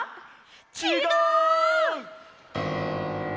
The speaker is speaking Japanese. ちがう！